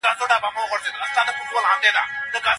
هر کتاب يوه نوې نړۍ پرانيزي.